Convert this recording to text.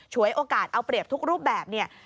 วยโอกาสเอาเปรียบทุกรูปแบบเนี่ย